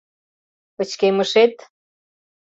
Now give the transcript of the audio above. Пычкемышет